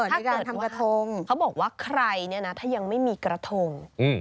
ถ้าเกิดว่าเขาบอกว่าใครเนี่ยนะถ้ายังไม่มีกระทง